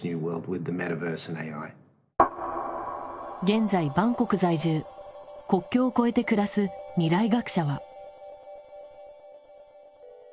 現在バンコク在住国境をこえて暮らす未来学者は。